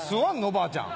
ばあちゃん。